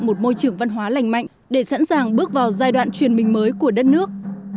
một môi trường văn hóa lành mạnh để sẵn sàng bước vào giai đoạn truyền mình mới của đất nước